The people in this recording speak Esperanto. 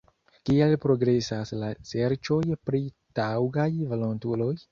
Kiel progresas la serĉoj pri taŭgaj volontuloj?